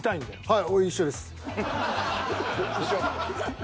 はい。